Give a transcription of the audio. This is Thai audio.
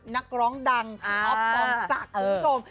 นักร้องดังพี่อ๊อฟองศักดิ์คุณผู้ชม